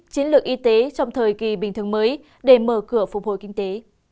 cưỡng y tế trong thời kỳ bình thường mới để mở cửa phục hồi kinh tế